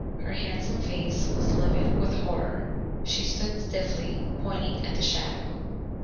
Her handsome face was livid with horror. She stood stiffly pointing at the shadow.